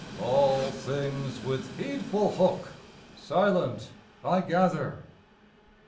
All things with heedful hook Silent I gather.